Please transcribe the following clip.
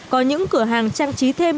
có những cửa hàng trang trí thêm